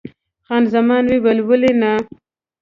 خان زمان وویل: ولې نه؟